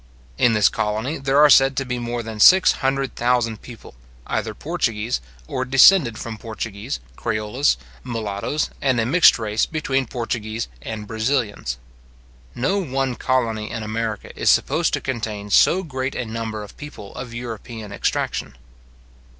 In this colony there are said to be more than six hundred thousand people, either Portuguese or descended from Portuguese, creoles, mulattoes, and a mixed race between Portuguese and Brazilians. No one colony in America is supposed to contain so great a number of people of European extraction.